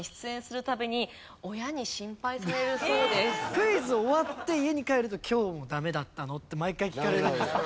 クイズ終わって家に帰ると「今日ダメだったの？」って毎回聞かれるんですよ。